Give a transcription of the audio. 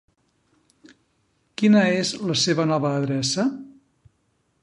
Quina és la seva nova adreça?